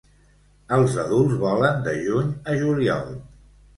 Els adults volen de juny a juliol.